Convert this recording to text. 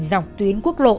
dọc tuyến quốc lộ